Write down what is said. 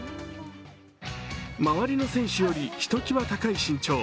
周りの選手よりひときわ高い身長。